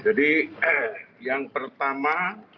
jadi yang pertama